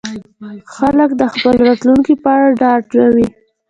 خلک د خپل راتلونکي په اړه ډاډه وي.